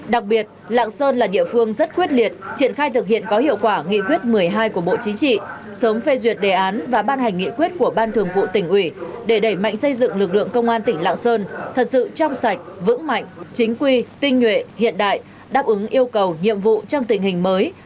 đặc biệt lạng sơn là địa phương rất quyết liệt triển khai thực hiện có hiệu quả nghị quyết một mươi hai của bộ chính trị sớm phê duyệt đề án và ban hành nghị quyết của ban thường vụ tỉnh ủy để đẩy mạnh xây dựng lực lượng công an tỉnh lạng sơn thật sự trong sạch vững mạnh chính quy tinh nhuệ hiện đại đáp ứng yêu cầu nhiệm vụ trong tình hình mới